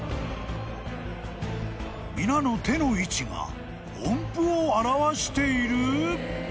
［皆の手の位置が音譜を表している？］